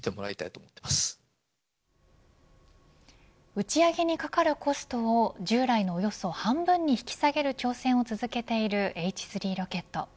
打ち上げにかかるコストを従来のおよそ半分に引き下げる挑戦を続けているＨ３ロケット。